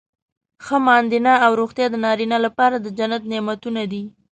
ښه ماندینه او روغتیا د نارینه لپاره د جنت نعمتونه دي.